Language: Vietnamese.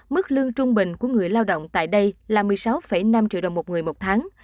mức lương trung bình của người lao động tại đây là một mươi sáu năm triệu đồng một người một tháng